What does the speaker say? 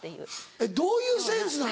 えっどういうセンスなの？